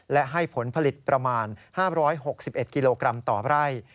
และให้ผลผลิตประมาณ๕๖๑กิโลกรัมต่อไร่